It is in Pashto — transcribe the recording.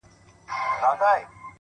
خدایه دا څه کیسه وه; عقيدې کار پرېښود;